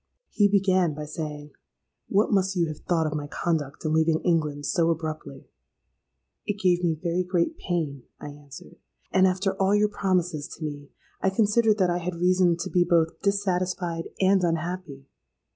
"He began by saying 'What must you have thought of my conduct in leaving England so abruptly?'—'It gave me very great pain,' I answered; 'and, after all your promises to me, I considered that I had reason to be both dissatisfied and unhappy.'